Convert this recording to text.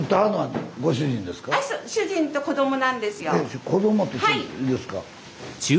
子どもっていいですか？